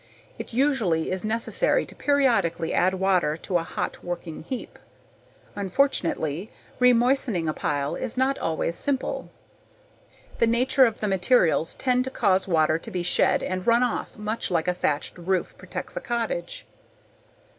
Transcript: It usually is necessary to periodically add water to a hot working heap. Unfortunately, remoistening a pile is not always simple. The nature of the materials tends to cause water to be shed and run off much like a thatched roof protects a cottage.